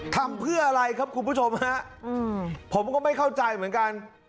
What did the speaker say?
ทำเพื่ออะไรครับคุณผู้ชมฮะผมก็ไม่เข้าใจเหมือนกัน